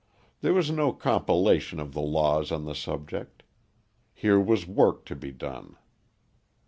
There was no compilation of the laws on the subject. Here was work to be done.